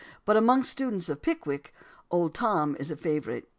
But amongst students of Pickwick, "Old Tom" is a hot favourite.